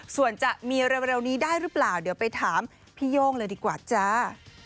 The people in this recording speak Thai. ส่วนจะมีเร็วนี้ได้หรือเปล่าเดี๋ยวไปถามพี่โย่งเลยดีกว่าจ้า